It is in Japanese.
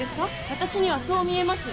私にはそう見えます！